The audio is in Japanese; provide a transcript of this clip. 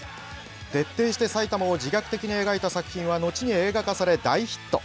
徹底して埼玉を自虐的に描いた作品は後に映画化され大ヒット。